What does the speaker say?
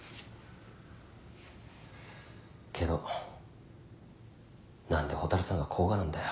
けど何で蛍さんが甲賀なんだよ。